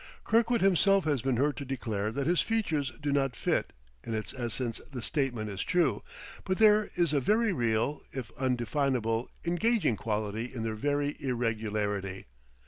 Kirkwood himself has been heard to declare that his features do not fit; in its essence the statement is true, but there is a very real, if undefinable, engaging quality in their very irregularity.